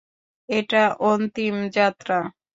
এটা অন্তিম যাত্রা।